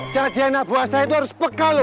jadinya buah saya itu harus peka lu